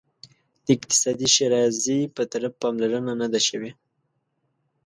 د اقتصادي ښیرازي په طرف پاملرنه نه ده شوې.